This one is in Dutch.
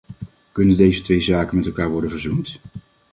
Kunnen deze twee zaken met elkaar worden verzoend?